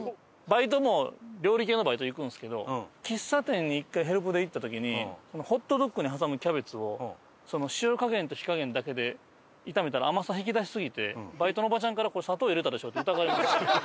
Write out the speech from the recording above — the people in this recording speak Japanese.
バイトも料理系のバイト行くんですけど喫茶店に１回ヘルプで行った時にホットドッグに挟むキャベツを塩加減と火加減だけで炒めたら甘さ引き出しすぎてバイトのおばちゃんから「これ砂糖入れたでしょ？」って疑われました。